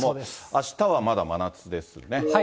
あしたはまだ真夏ですね。